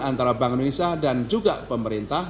antara bank indonesia dan juga pemerintah